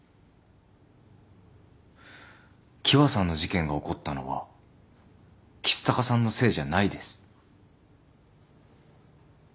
喜和さんの事件が起こったのは橘高さんのせいじゃないです。